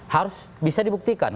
harus bisa dibuktikan